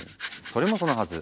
それもそのはず